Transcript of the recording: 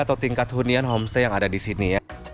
atau tingkat hunian homestay yang ada di sini